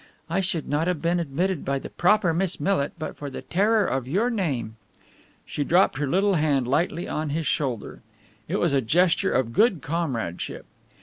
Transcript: I should not have been admitted by the proper Miss Millit but for the terror of your name." She dropped her little hand lightly on his shoulder. It was a gesture of good comradeship.